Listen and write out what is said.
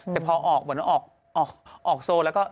แต่พอออกออกโซนแล้วก็